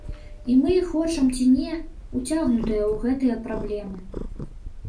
І мы, хочам ці не, уцягнутыя ў гэтыя праблемы.